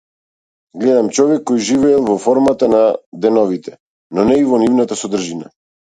Гледам човек кој живеел во формата на деновите, но не и во нивната содржина.